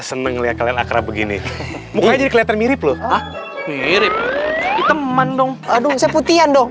seneng lihat kalian akrab begini sih kliat mirip mirip kommer dong aduh putih yang dong